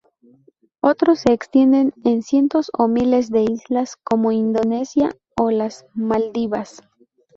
Otros se extienden en cientos o miles de islas, como Indonesia o las Maldivas.